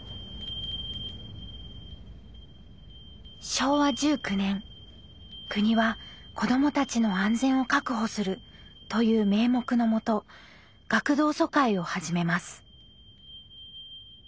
昭和１９年国は「子どもたちの安全を確保する」という名目のもと学童疎開を始めます。